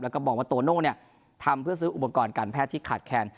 แล้วก็มองว่าโตโน่ทำเพื่อซื้ออุปกรณ์การแพทย์ที่ขาดแคลน